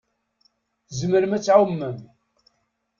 Tzemrem ad tɛummem.